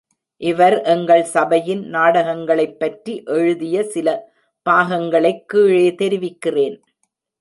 இவர் எங்கள் சபையின் நாடகங்களைப்பற்றி எழுதிய சில பாகங்களைக் கீழே தெரிவிக்கிறேன்.